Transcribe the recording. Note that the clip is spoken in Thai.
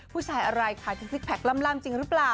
ผู้ชายอะไรค่ะที่ซิกแพคล่ำจริงหรือเปล่า